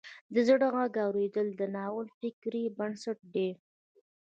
د زړه غږ اوریدل د ناول فکري بنسټ دی.